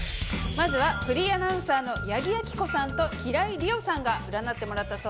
まずはフリーアナウンサーの八木亜希子さんと平井理央さんが占ってもらったそうです。